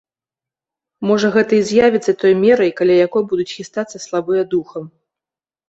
Можа, гэта і з'явіцца той мерай, каля якой будуць хістацца слабыя духам.